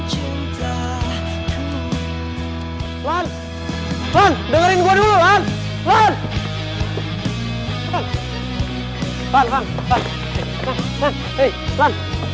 lan lan lan lan lan lan lan